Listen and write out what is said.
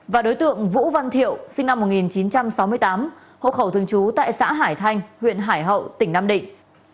và đối tượng vũ văn thiệu sinh năm một nghìn chín trăm sáu mươi tám hộ khẩu thường trú tại xã hải thanh huyện hải hậu tỉnh nam định